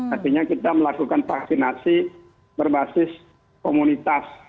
artinya kita melakukan vaksinasi berbasis komunitas